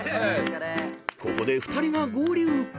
［ここで２人が合流］